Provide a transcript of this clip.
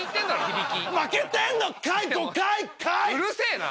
うるせぇな。